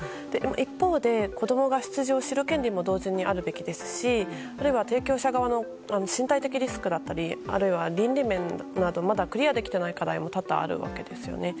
一方で子供が出自を知る権利も同時にあるべきですし例えば提供者側の身体的リスクだったり倫理面などまだクリアできていない課題も多々あるわけですよね。